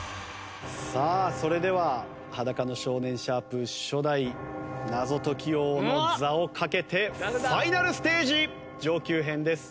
さあそれでは『♯裸の少年』初代謎解き王の座をかけてファイナルステージ上級編です。